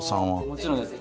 もちろんです。